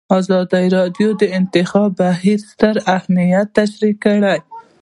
ازادي راډیو د د انتخاباتو بهیر ستر اهميت تشریح کړی.